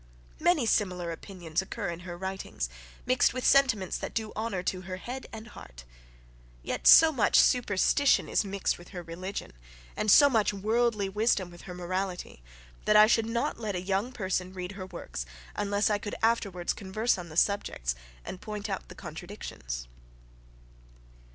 Many similar opinions occur in her writings, mixed with sentiments that do honour to her head and heart. Yet so much superstition is mixed with her religion, and so much worldly wisdom with her morality, that I should not let a young person read her works, unless I could afterwards converse on the subjects, and point out the contradictions.